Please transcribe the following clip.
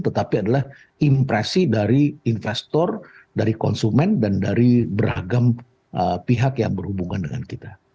tetapi adalah impresi dari investor dari konsumen dan dari beragam pihak yang berhubungan dengan kita